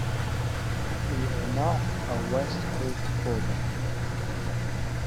We're not a West Coast fullback.